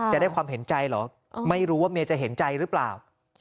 จะได้ความเห็นใจเหรอไม่รู้ว่าเมียจะเห็นใจหรือเปล่า